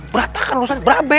beratakan ustadz berabe